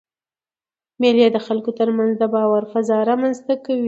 مېلې د خلکو تر منځ د باور فضا رامنځ ته کوي.